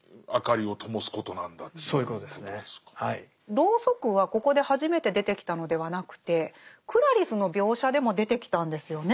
ロウソクはここで初めて出てきたのではなくてクラリスの描写でも出てきたんですよね。